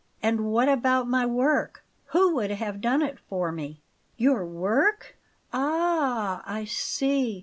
"And what about my work? Who would have done it for me?" "Your work Ah, I see!